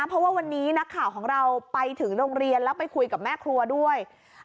เพราะว่าวันนี้นักข่าวของเราไปถึงโรงเรียนแล้วไปคุยกับแม่ครัวด้วย